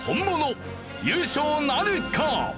優勝なるか？